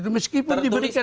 meskipun diberikan izin